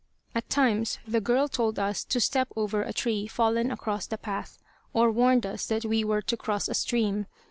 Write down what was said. At times the girl told us to step over a tree fallen across the path, or warned us that we were to cross a stream.